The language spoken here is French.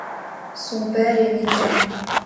Son père est médecin.